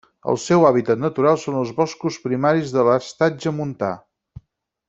El seu hàbitat natural són els boscos primaris de l'estatge montà.